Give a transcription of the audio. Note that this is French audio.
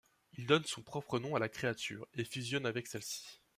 Il donne son propre nom à la créature, et fusionne avec celle-ci.